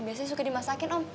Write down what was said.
biasanya suka dimasakin om